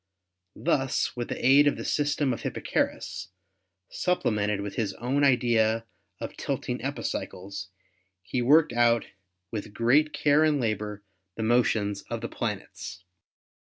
Thus with the aid of the system of Hipparchus, supplemented with his own idea of tilting epicycles, he worked out with great care and labor the motions of the planets.